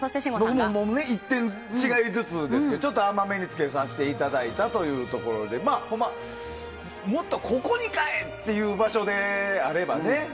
僕も１点違いずつですけどちょっと甘めにつけさせていただいたということでもっと、ここにかい！っていう場所であればね